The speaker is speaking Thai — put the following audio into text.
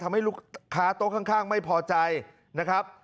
ทำให้ลูกค้าโต๊ะข้างไม่พอใจนะครับ